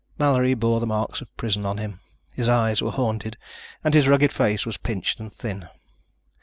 Mallory bore the marks of prison on him. His eyes were haunted and his rugged face was pinched and thin.